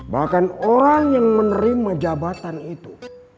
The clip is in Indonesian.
bahkan orang yang menerima jabatan itu